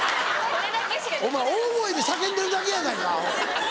お前大声で叫んでるだけやないかアホ。